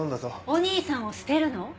お兄さんを捨てるの？